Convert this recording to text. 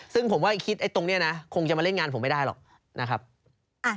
ซึ่งผมว่าคิดไอ้ตรงนี้นะคงจะมาเล่นงานผมไม่ได้หรอกนะครับ